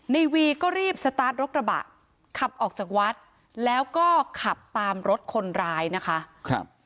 วีก็รีบสตาร์ทรถกระบะขับออกจากวัดแล้วก็ขับตามรถคนร้ายนะคะครับ